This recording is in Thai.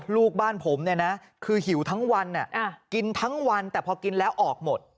ลูกบ้านผมเนี่ยนะคือหิวทั้งวันกินทั้งวันแต่พอกินแล้วออกหมด